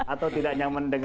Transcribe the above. atau tidak nyaman dengan